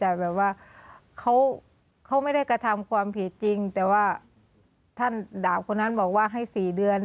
แต่แบบว่าเขาไม่ได้กระทำความผิดจริงแต่ว่าท่านดาบคนนั้นบอกว่าให้๔เดือน